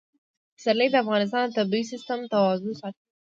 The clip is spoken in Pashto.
پسرلی د افغانستان د طبعي سیسټم توازن ساتي.